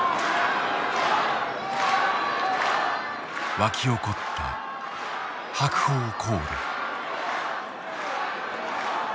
沸き起こった白鵬コール。